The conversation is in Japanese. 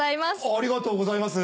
ありがとうございます。